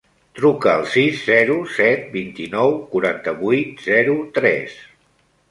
Truca al sis, zero, set, vint-i-nou, quaranta-vuit, zero, tres.